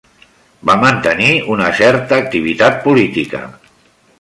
Va mantenir una certa activitat política.